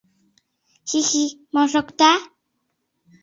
— Хи-хи, мо шокта?